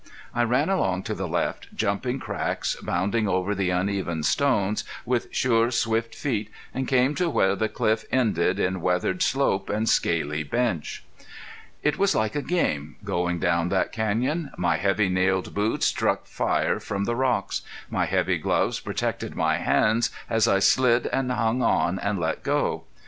I ran along to the left, jumping cracks, bounding over the uneven stones with sure, swift feet, and came to where the cliff ended in weathered slope and scaly bench. It was like a game, going down that canyon. My heavy nailed boots struck fire from the rocks. My heavy gloves protected my hands as I slid and hung on and let go.